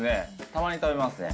たまに食べますね。